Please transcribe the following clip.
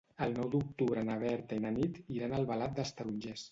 El nou d'octubre na Berta i na Nit iran a Albalat dels Tarongers.